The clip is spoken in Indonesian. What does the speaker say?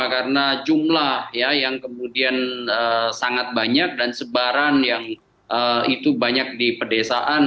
karena jumlah yang kemudian sangat banyak dan sebaran yang itu banyak di pedesaan